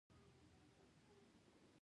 د احمد شونډې تورې شوې دي.